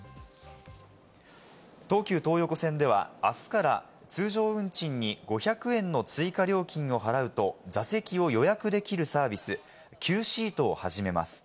東急東横線では、あすから通常運賃に５００円の追加料金を払うと座席を予約できるサービス、ＱＳＥＡＴを始めます。